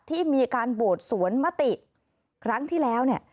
ที่มีการโบสถ์สวนไหมติครั้งที่แล้ว